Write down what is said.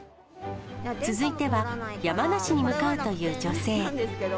続いては山梨に向かうという女性。